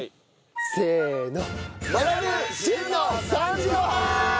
せーの！